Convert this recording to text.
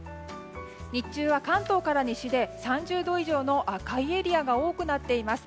日中は関東から西で３０度以上の赤いエリアが多くなっています。